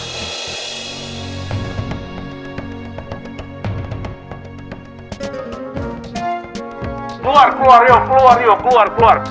keluar keluar ayo keluar